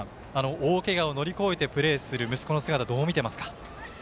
大けがを乗り越えてプレーする息子の姿どう見ていますか。